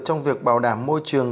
trong việc bảo đảm môi trường